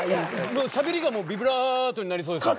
もう喋りがビブラートになりそうですもん